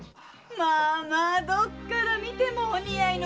まあまあどっから見てもお似合いの若夫婦！